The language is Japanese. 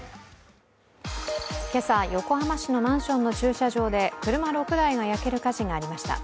今朝、横浜市のマンションの駐車場で車６台が焼ける火事がありました。